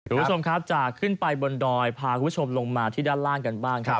คุณผู้ชมครับจากขึ้นไปบนดอยพาคุณผู้ชมลงมาที่ด้านล่างกันบ้างครับ